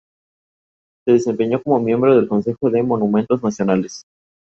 Hay restos de chimeneas y tuberías de agua caliente y vapor.